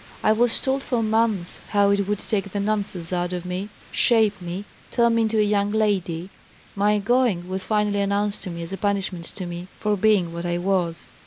I was told for months how it would take the nonsense out of me 'shape me,' 'turn me into a young lady.' My going was finally announced to me as a punishment to me for being what I was.